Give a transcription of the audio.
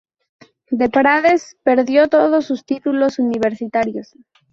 De Prades perdió todos sus títulos universitarios.